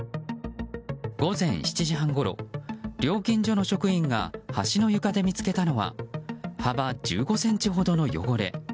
午前７時半ごろ、料金所の職員が橋の床で見つけたのは幅１５ｃｍほどの汚れ。